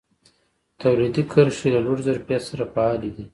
تولیدي کرښې له لوړ ظرفیت سره فعالې دي.